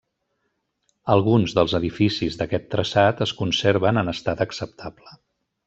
Alguns dels edificis d'aquest traçat es conserven en estat acceptable.